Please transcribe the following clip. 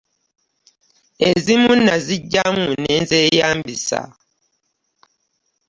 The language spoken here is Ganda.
Ezimu naziggyamu ne nzeeyambisa.